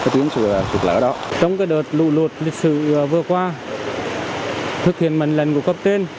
trong đợt lụ lụt lịch sử vừa qua thực hiện mệnh lệnh của cấp trên